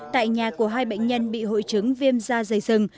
tại nhà của hai bệnh nhân bị hội chứng viêm da dày rừng